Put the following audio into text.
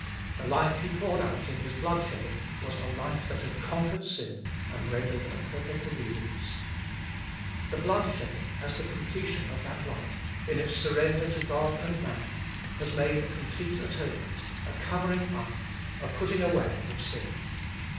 The life He poured out in His blood shedding was a life that had conquered sin, and rendered a perfect obedience. The blood shedding as the completion of that life, in its surrender to God and man, has made a complete tboliest of nil 317 atonement, a covering up, a putting away of sin.